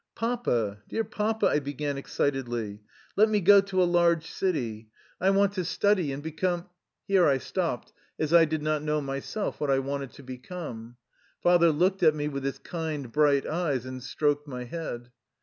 "Papa, dear Papa," I began excitedly, "let me go to a large city. I want to study and be 37 THE LIFE STOKY OF A RUSSIAN EXILE come —" Here I stopped, as I did not know myself what I wanted to become. Father looked at me with his kind, bright eyes, and stroked my head.